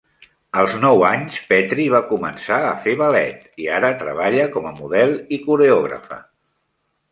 Als nou anys, Petri va començar a fer ballet i ara treballa com a model i coreògrafa.